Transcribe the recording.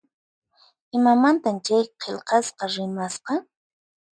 Imamantan chay qillqasqa rimasqa?